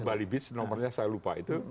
bali beach nomornya saya lupa itu